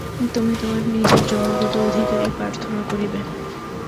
তুমি তোমার নিজের জন্মগত অধিকারই প্রার্থনা করিবে।